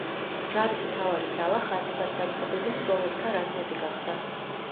ჯარის მთავარი ძალა ხაზებად დაწყობილი მსროლელთა რაზმები გახდა.